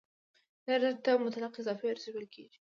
دې ارزښت ته مطلق اضافي ارزښت ویل کېږي